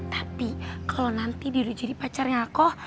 tapi kalo nanti dia jadi pacar aku